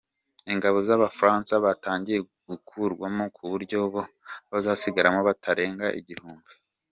Ingabo z’Abafaransa batangiye gukurwamo ku buryo bo bazasigaramo batarenga igihugmbi.